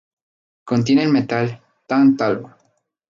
Contiene el metal "tántalo".